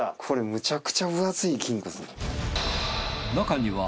これむちゃくちゃ分厚い金庫。